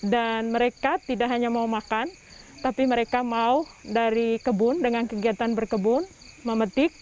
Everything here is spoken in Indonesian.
dan mereka tidak hanya mau makan tapi mereka mau dari kebun dengan kegiatan berkebun memetik